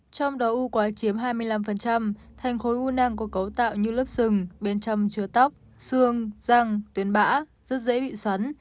trong đó u quái chiếm hai mươi năm thành khối u nang có cấu tạo như lớp xương bên trong chứa tóc xương răng tuyến bã rất dễ bị xoắn